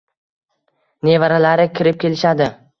Nevaralari kirib kelishadi